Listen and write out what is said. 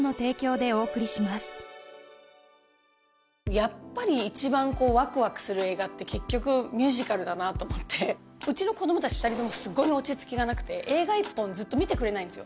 やっぱり一番ワクワクする映画って結局ミュージカルだなと思ってうちの子供達２人ともすごい落ち着きがなくて映画一本ずっと見てくれないんですよ